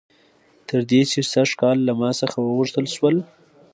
تر دې چې سږ کال له ما څخه وغوښتل شول